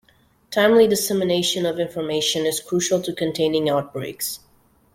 Timely dissemination of information is crucial to containing outbreaks.